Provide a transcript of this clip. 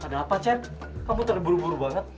ada apa cep kamu tadi buru buru banget